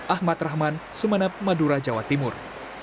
ahmad rahman sumeneb madura jawa timur